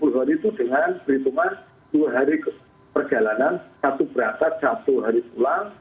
sepuluh hari itu dengan perhitungan dua hari perjalanan satu berangkat satu hari pulang